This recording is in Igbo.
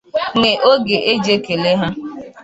nwee oge e ji ekele ha